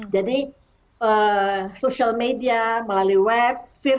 jadi media sosial melalui web